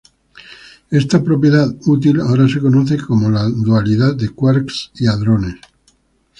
Esta propiedad útil ahora se conoce como la dualidad de quarks y hadrones.